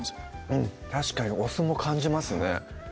うん確かにお酢も感じますね